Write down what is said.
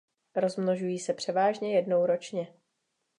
Rozmnožují se převážně jednou ročně.